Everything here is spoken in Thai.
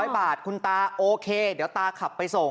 ๐บาทคุณตาโอเคเดี๋ยวตาขับไปส่ง